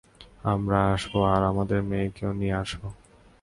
আমরা আসব আর আমাদের মেয়েকেও নিয়ে আসব!